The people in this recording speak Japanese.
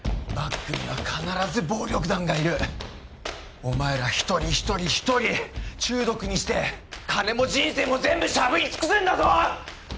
バックには必ず暴力団がいるお前ら一人一人一人中毒にして金も人生も全部しゃぶりつくすんだぞ！